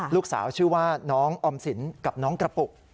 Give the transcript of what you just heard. ลูกสาวชื่อว่าน้องออมสินกับน้องกระปุก